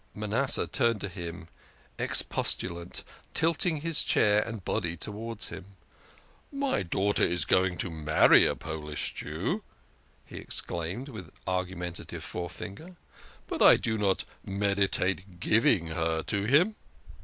Manasseh turned to him, expostulant, tilting his chair and body towards him. "My daughter is going to marry a Polish Jew," he explained with argumentative forefinger, " but I do not meditate giving her to him."